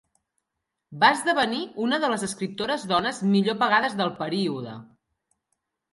Va esdevenir una de les escriptores dones millor pagades del període.